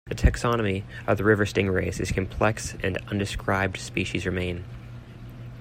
The taxonomy of the river stingrays is complex and undescribed species remain.